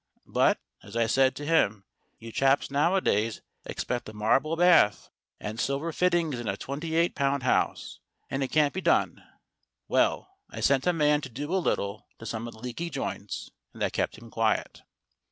But, as I said to him, you chaps nowadays expect a marble bath and silver 136 STORIES WITHOUT TEARS fittings in a twenty eight pound house, and it can't be done. Well, I sent a man to do a little to some of the leaky joints, and that kept him quiet.